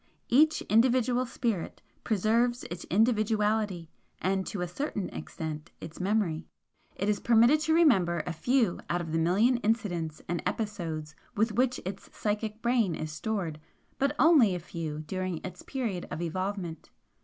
Each individual Spirit preserves its individuality and, to a certain extent, its memory. It is permitted to remember a few out of the million incidents and episodes with which its psychic brain is stored, but ONLY a few during its period of evolvement.